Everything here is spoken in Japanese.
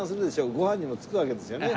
ご飯にもつくわけですよね。